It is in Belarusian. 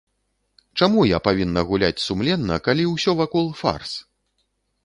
Чаму я павінна гуляць сумленна, калі ўсё вакол фарс?